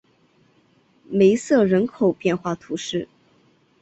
梅塞人口变化图示